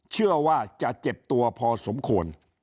เชื่อว่าจะเจ็บตัวพอสมควร